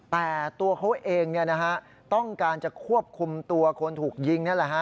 แต่ตัวเขาเองต้องการจะควบคุมตัวคนถูกยิงนี่แหละฮะ